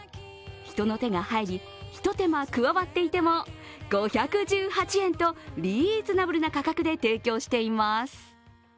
人の手が入り一手間加わっていても５１８円とリーズナブルな価格で提供しています。